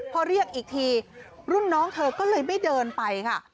พอเรียกอีกทีรุ่นน้องเธอก็เลยไม่เดินไปค่ะ